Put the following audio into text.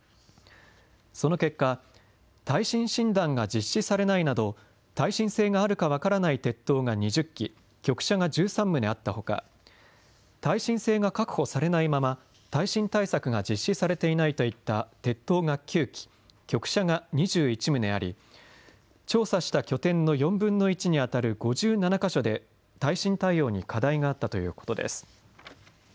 その結果、耐震診断が実施されないなど耐震性があるか分からない鉄塔が２０基、局舎が１３棟あったほか耐震性が確保されないまま耐震対策が実施されていないといった鉄塔が９基、局舎が２１棟あり調査した拠点の４分の１にあたる５７か所で耐震対応に課題があったということです。